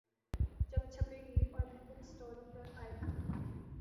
جب چھپے گی اور بک سٹالوں پہ آئے گی۔